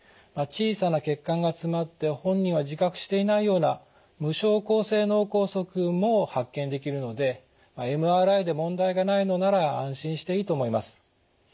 小さな血管が詰まって本人は自覚していないような無症候性脳梗塞も発見できるのでＭＲＩで問題がないのなら安心していいと思います。